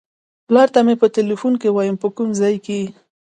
پلار ته مې په ټیلیفون کې وایم په کوم ځای کې یې.